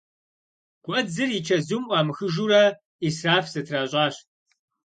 Гуэдзыр и чэзум ӏуамыхыжурэ ӏисраф зэтращӏащ.